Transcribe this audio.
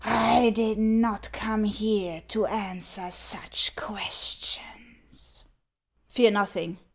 " I did not come here to answer such questions." " Fear nothing.